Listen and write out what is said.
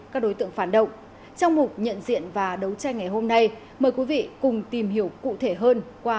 các đối tượng phản động trong mục nhận diện và đấu tranh ngày hôm nay mời quý vị cùng tìm hiểu cụ thể hơn qua